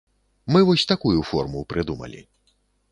Мы вось такую форму прыдумалі.